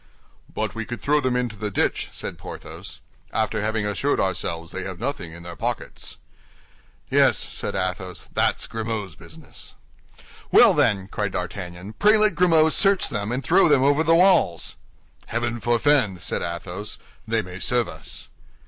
"But we could throw them into the ditch," said Porthos, "after having assured ourselves they have nothing in their pockets." "Yes," said Athos, "that's Grimaud's business." "Well, then," cried D'Artagnan, "pray let Grimaud search them and throw them over the walls." "Heaven forfend!" said Athos; "they may serve us."